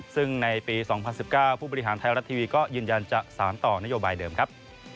ซึ่งในปี๒๐๑๙ผู้บริหารไทยรัฐทีวีก็ยืนยันจะสารต่อนโยบายเดิมครับ